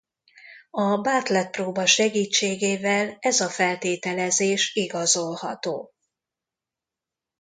A Bartlett-próba segítségével ez a feltételezés igazolható.